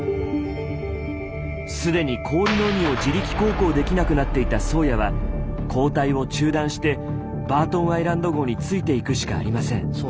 既に氷の海を自力航行できなくなっていた「宗谷」は交代を中断して「バートンアイランド号」についていくしかありません。